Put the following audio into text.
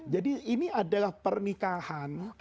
jadi ini adalah pernikahan